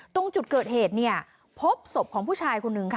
ตรงจุดเกิดเหตุเนี่ยพบศพของผู้ชายคนนึงค่ะ